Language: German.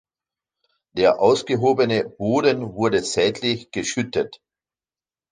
Der ausgehobene Boden wurde seitlich geschüttet.